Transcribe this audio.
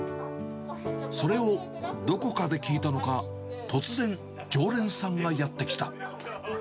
それをどこかで聞いたのか、突然、常連さんがやって来た。